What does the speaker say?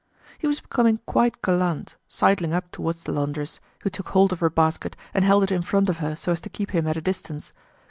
He was becoming quite gallant, sidling up towards the laundress, who took hold of her basket and held it in front of her so as to keep him at a distance.